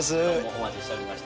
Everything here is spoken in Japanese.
お待ちしておりました。